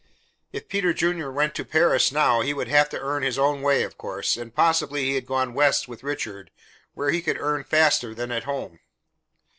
If Peter Junior went to Paris now, he would have to earn his own way, of course, and possibly he had gone west with Richard where he could earn faster than at home.